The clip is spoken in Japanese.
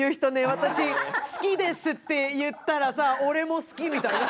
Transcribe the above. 私好きですって言ったらさ俺も好きみたいな。